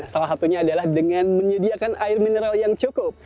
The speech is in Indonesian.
salah satunya adalah dengan menyediakan air mineral yang cukup